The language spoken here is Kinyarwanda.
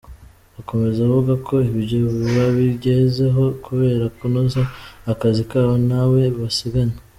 Akomeza avuga ko ibyo babigezeho kubera kunoza akazi kabo ntawe basigana.